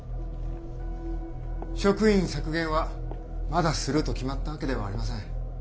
職員削減はまだすると決まったわけではありません。